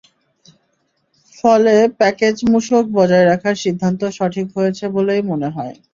ফলে প্যাকেজ মূসক বজায় রাখার সিদ্ধান্ত সঠিক হয়েছে বলেই মনে হয়।